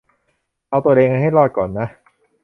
เอาตัวเองให้รอดก่อนนะ